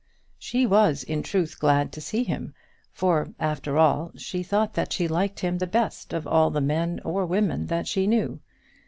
She was, in truth, glad to see him; for, after all, she thought that she liked him the best of all the men or women that she knew.